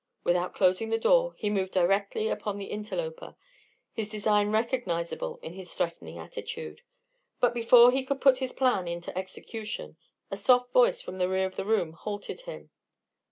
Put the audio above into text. Without closing the door, he moved directly upon the interloper, his design recognizable in his threatening attitude; but before he could put his plan into execution, a soft voice from the rear of the room halted him.